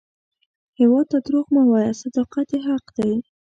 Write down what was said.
هیواد ته دروغ مه وایه، صداقت یې حق دی